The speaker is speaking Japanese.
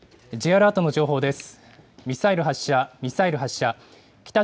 Ｊアラートの情報です。